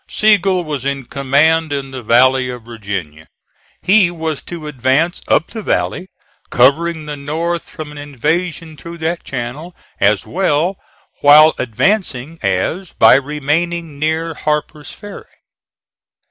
Sigel was in command in the Valley of Virginia. He was to advance up the valley, covering the North from an invasion through that channel as well while advancing as by remaining near Harper's Ferry.